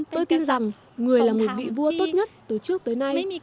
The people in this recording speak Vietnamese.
tôi tin rằng người là một vị vua tốt nhất từ trước tới nay